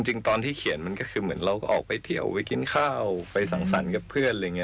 จริงตอนที่เขียนมันก็คือเหมือนเราก็ออกไปเที่ยวไปกินข้าวไปสั่งสรรค์กับเพื่อนอะไรอย่างนี้